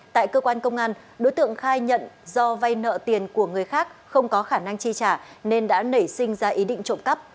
tại cơ quan công an đối tượng khai nhận do vay nợ tiền của người khác không có khả năng chi trả nên đã nảy sinh ra ý định trộm cắp